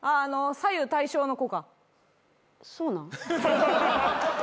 左右対称の子。